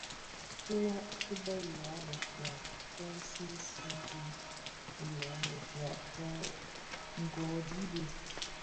Tülag ki bëya bëfia kō see see bi lön befia bō dhi bō,